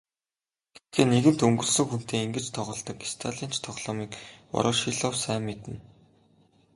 Гэхдээ нэгэнт өнгөрсөн хүнтэй ингэж тоглодог сталинч тоглоомыг Ворошилов сайн мэднэ.